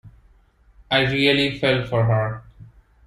I really fell for her.